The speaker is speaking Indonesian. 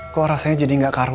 kok rasanya jadi gak karung